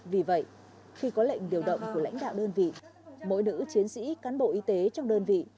vì vậy khi có lệnh điều động của lãnh đạo đơn vị mỗi nữ chiến sĩ cán bộ y tế trong đơn vị